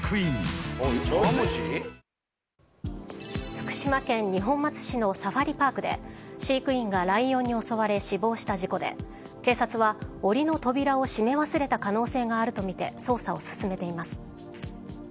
福島県二本松市のサファリパークで飼育員がライオンに襲われ死亡した事故で警察は、檻の扉を閉め忘れた可能性があるとみて捜査を進めています。